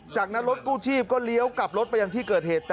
จากนั้นรถกู้ชีพก็เลี้ยวกลับรถไปยังที่เกิดเหตุ